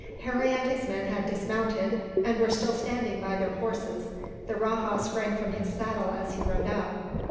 Harry and his men had dismounted, and were still standing by their horses. The rajah sprang from his saddle as he rode up.